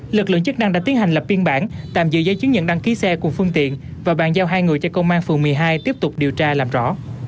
lực lượng chức năng đã tiến hành lập biên bản tạm giữ giấy chứng nhận đăng ký xe cùng phương tiện và bàn giao hai người cho công an phường một mươi hai tiếp tục điều tra làm rõ